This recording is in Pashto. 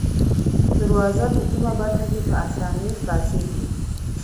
دروازه په کومه برخه کې په آسانۍ خلاصیږي؟